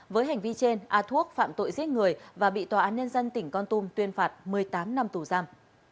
với hành vi trên a thuốc phạm tội giết người và bị tòa án nhân dân tỉnh con tum tuyên phạt một mươi tám năm tù giam